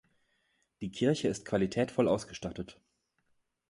Die Kirche ist qualitätvoll ausgestattet.